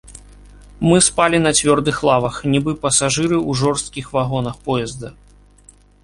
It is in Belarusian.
Мы спалі на цвёрдых лавах, нібы пасажыры ў жорсткіх вагонах поезда.